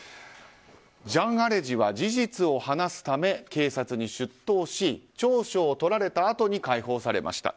ジャン・アレジ氏は事実を話すため、警察に出頭し調書を取られたあとに解放されました。